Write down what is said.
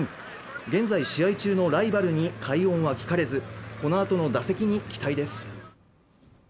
現在、試合中のライバルに快音は聞かれず、このあとの打席に期待です。